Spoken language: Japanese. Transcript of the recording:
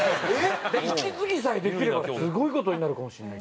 息継ぎさえできればすごい事になるかもしれない。